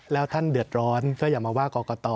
แล้วท่านเดือดร้อนก็อย่ามาว่ากรกต